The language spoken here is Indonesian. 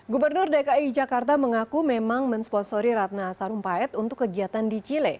gubernur dki jakarta mengaku memang mensponsori ratna sarumpait untuk kegiatan di chile